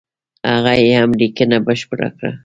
هغه یې هم لیکنه بشپړه کړه.